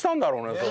それ。